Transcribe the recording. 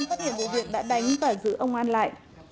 người dân phát hiện vụ việc đã đánh và giữ ông an sảm sỡ và dâm ô